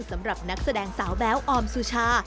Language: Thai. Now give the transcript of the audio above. สำหรับนักแสดงสาวแบ๊วออมสุชา